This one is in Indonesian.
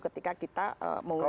ketika kita mengutip